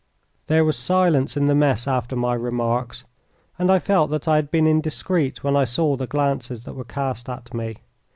There was silence in the mess after my remarks, and I felt that I had been indiscreet when I saw the glances that were cast at me.